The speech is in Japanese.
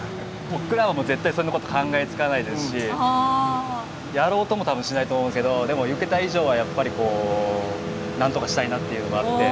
僕らは絶対そんな事考えつかないですしやろうとも多分しないと思うんですけどでも請けた以上はやっぱりこうなんとかしたいなっていうのがあって。